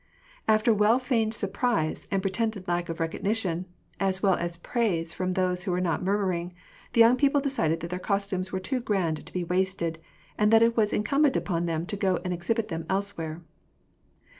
After well feigned surprise, and pretended lack of recogni tion, as well as praise from those who were not mumming, the young people decided that their costumes were too good to be wasted, and that it was incumbent upon them to go and ex hibit them elsewhere.